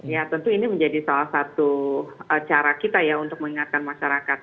ya tentu ini menjadi salah satu cara kita ya untuk mengingatkan masyarakat